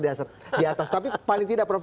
di atas tapi paling tidak prof